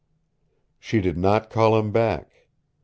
She did not call him back.